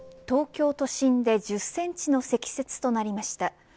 東京都心で１０センチの積雪となりました。